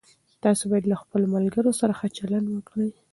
تاسو باید له خپلو ملګرو سره ښه چلند وکړئ.